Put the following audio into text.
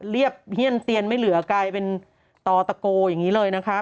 เรียบเฮียนเตียนไม่เหลือกลายเป็นต่อตะโกอย่างนี้เลยนะคะ